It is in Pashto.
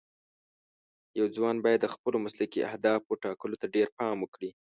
یو ځوان باید د خپلو مسلکي اهدافو ټاکلو ته ډېر پام وکړي.